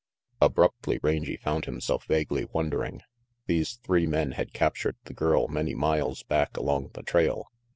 Abruptly Rangy found himself vaguely wondering. These three men had captured the girl many miles back along the trail.